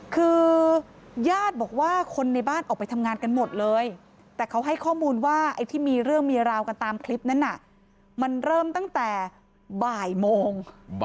คือญาติบอกว่าคนในบ้านออกไปทำงานกันหมดเลยแต่เขาให้ข้อมูลว่าไอ้ที่มีเรื่องมีราวกันตามคลิปนั้นน่ะมันเริ่มตั้งแต่บ่ายโมง